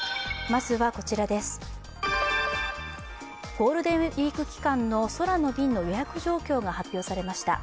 ゴールデンウイーク期間の空の便の予約状況が発表されました。